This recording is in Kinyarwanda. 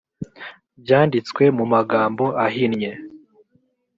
byanditswe mu magambo ahinnye.